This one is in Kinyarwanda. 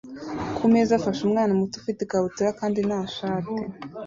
kumeza afashe umwana muto ufite ikabutura kandi nta shati